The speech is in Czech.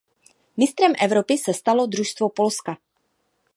Mistrem Evropy se stalo družstvo Polska.